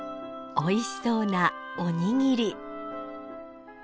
おいしそうなおにぎり！